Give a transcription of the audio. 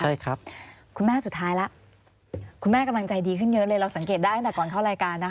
ใช่ครับคุณแม่สุดท้ายแล้วคุณแม่กำลังใจดีขึ้นเยอะเลยเราสังเกตได้ตั้งแต่ก่อนเข้ารายการนะคะ